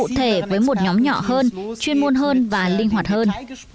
cụ thể với một nhóm nhỏ hơn chuyên môn hơn và linh hoạt hơn